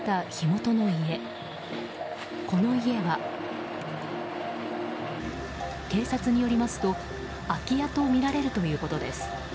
この家は、警察によりますと空き家とみられるということです。